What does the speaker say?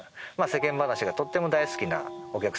世間話がとっても大好きなお客さんみたいで。